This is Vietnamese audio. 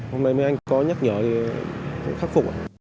hôm nay mấy anh có nhắc nhở thì khắc phục ạ